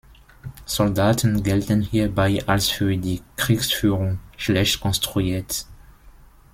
Soldaten gelten hierbei als für die Kriegsführung „schlecht konstruiert“.